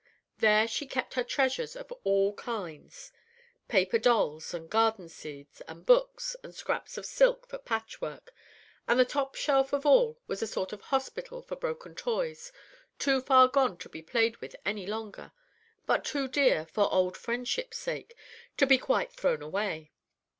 There she kept her treasures of all kinds, paper dolls and garden seeds, and books, and scraps of silk for patchwork; and the top shelf of all was a sort of hospital for broken toys, too far gone to be played with any longer, but too dear, for old friendship's sake, to be quite thrown away.